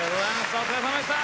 おつかれさまでした。